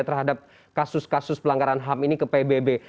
terhadap kasus kasus pelanggaran ham ini ke pbb